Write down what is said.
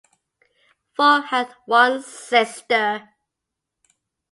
Falk had one sister.